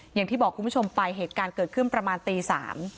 อย่างที่บอกคุณผู้ชมไปเหตุการณ์เกิดขึ้นประมาณตีสาม